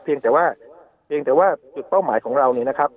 เพียงแต่ว่าเป้าหมายของเรานี่นะครับ